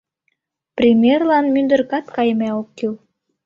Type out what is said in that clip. Примерлан мӱндыркат кайыме ок кӱл.